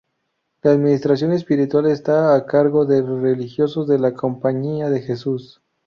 La administración espiritual está á cargo de religiosos de la Compañía de Jesús.